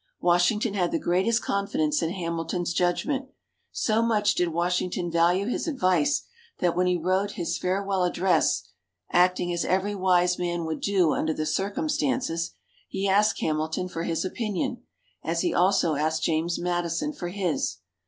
Washington had the greatest confidence in Hamilton's judgment. So much did Washington value his advice, that when he wrote his "Farewell Address," "acting as every wise man would do under the circumstances," he asked Hamilton for his opinion, as he also asked James Madison for his.